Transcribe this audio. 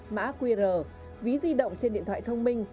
mã qr ví di động trên điện thoại thông minh